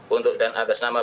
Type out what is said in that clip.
untuk dan atas nama